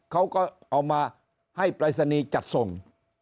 เขาก็เอามาให้ปรายศนีย์จัดส่ง